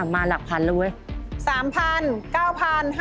มาหลักพันแล้ว